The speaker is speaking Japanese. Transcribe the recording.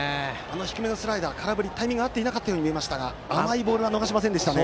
低めのスライダーはタイミングが合っていないように見えましたが甘いボールは逃しませんでしたね。